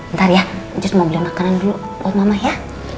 ntar ya jus mau beli makanan dulu buat mama ya